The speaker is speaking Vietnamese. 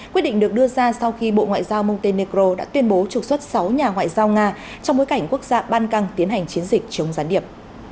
quyết định được đưa ra sau khi bộ ngoại giao montenegro đã tuyên bố trục xuất sáu nhà ngoại giao nga trong bối cảnh quốc gia ban căng tiến hành chiến dịch chống gián điệp